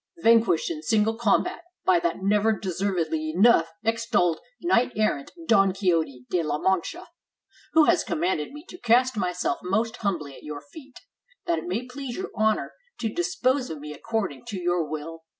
vanquished in single combat by that never deservedly enough extolled knight errant Don Quixote de la Mancha, who has commanded me to cast myself most humbly at your feet, that it may please your honor to dispose of me according to your will.